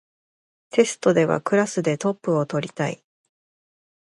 テストではクラスでトップを取りたい